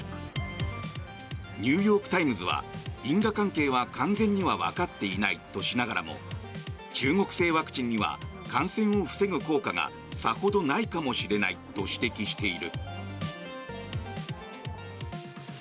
ニューヨーク・タイムズは因果関係は完全にはわかっていないとしながらも中国製ワクチンには感染を防ぐ効果がさほどないかもしれないと指摘している。